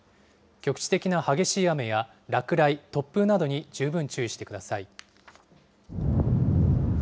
局地的な雨や落雷、突風などに十分注意してください。